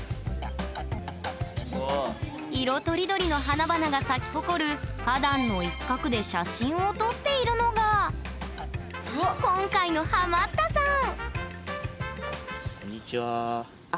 色とりどりの花々が咲き誇る花壇の一角で写真を撮っているのが今回のハマったさん！